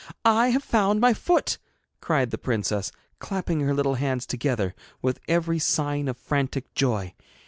I have found my foot!' cried the princess, clapping her little hands together with every sign of frantic joy.